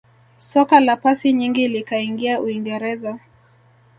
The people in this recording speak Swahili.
soka la pasi nyingi likaingia uingereza